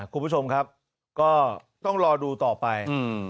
คุณผู้ชมครับก็ต้องรอดูต่อไป